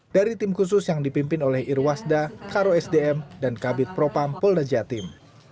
dari tim khusus yang dipimpin oleh irwasda karo sdm dan kabit propam polda jatim